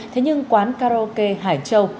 thế nhưng quán karaoke hải châu